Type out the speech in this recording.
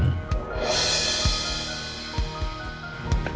deket sama kamu